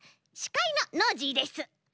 しかいのノージーです。